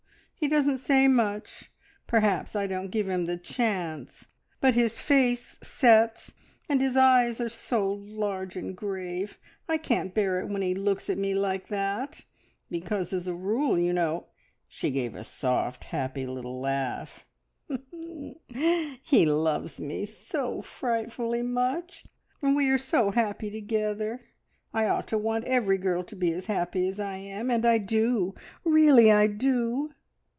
He doesn't say much perhaps I don't give him the chance but his face sets, and his eyes are so large and grave. I can't bear it when he looks at me like that, because, as a rule, you know," she gave a soft, happy little laugh "he loves me so frightfully much, and we are so happy together. I ought to want every girl to be as happy as I am, and I do really I do.